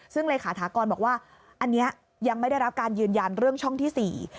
ซึ่งเลขาถากรบอกว่าอันนี้ยังไม่ได้รับการยืนยันเรื่องช่องที่สี่